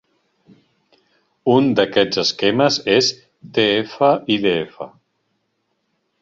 Un d'aquests esquemes és tf-idf.